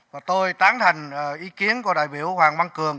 và tôi tán thành ý kiến của đại biểu hoàng văn cường